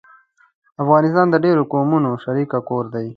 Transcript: افغانستان د ډېرو قومونو شريک کور دی